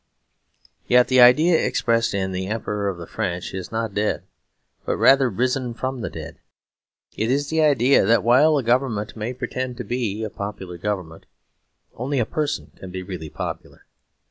Yet the idea expressed in "The Emperor of the French" is not dead, but rather risen from the dead. It is the idea that while a government may pretend to be a popular government, only a person can be really popular.